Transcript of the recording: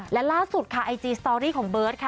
และล่าสุดค่ะไอจีสตอรี่ของเบิร์ตค่ะ